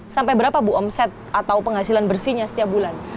sampai berapa bu omset atau penghasilan bersihnya setiap bulan